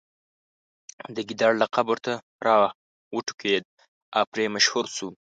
د ګیدړ لقب ورته راوټوکېد او پرې مشهور شو.